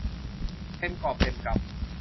เต็มกอบเต็มกำ